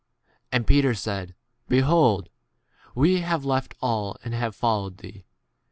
B And Peter said, Behold, we have left all and have followed thee.